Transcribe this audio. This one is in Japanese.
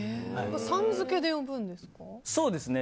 さん付けで呼ぶんですか？